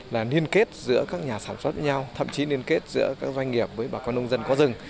là liên kết giữa các nhà sản xuất với nhau thậm chí liên kết giữa các doanh nghiệp với bà con nông dân có rừng